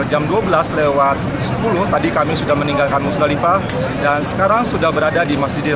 jam dua belas lewat sepuluh tadi kami sudah meninggalkan musdalifah dan sekarang sudah berada di masjidil